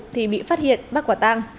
thì bị phát hiện bắt quả tăng